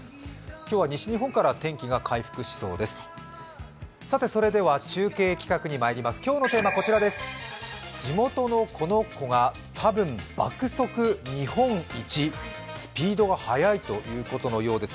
今日は西日本から天気が回復しそうです。